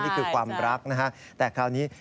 นี่คือความรักนะฮะแต่คราวนี้